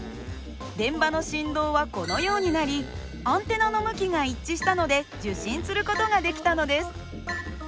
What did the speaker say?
電場の振動はこのようになりアンテナの向きが一致したので受信する事ができたのです。